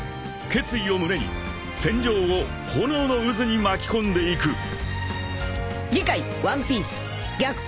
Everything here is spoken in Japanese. ［決意を胸に戦場を炎の渦に巻き込んでいく］